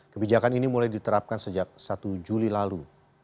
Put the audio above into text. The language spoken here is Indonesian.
kebijakan ini mulai diterapkan sejak satu juli lalu